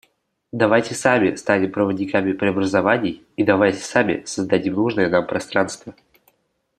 Давайте сами станем проводниками преобразований и давайте сами создадим нужное нам пространство.